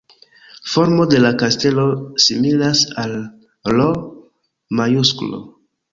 Formo de la kastelo similas al L-majusklo.